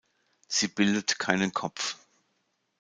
Sie bildet keinen Kopf.